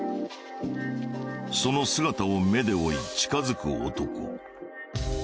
その姿を目で追い近づく男。